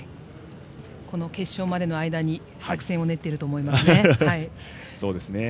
この決勝までの間に作戦を練っていると思いますね。